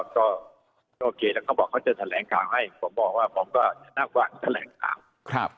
ก็โอเคแล้วเขาบอกเขาจะแถลงข่าวให้ผมบอกว่าผมก็จะนั่งวางแถลงข่าว